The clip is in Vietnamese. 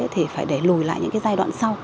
thì phải để lùi lại những giai đoạn sau